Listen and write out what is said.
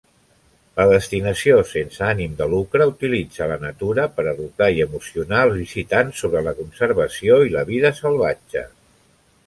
La destinació sense ànim de lucre utilitza la natura per educar i emocionar els visitants sobre la conservació i la vida salvatge.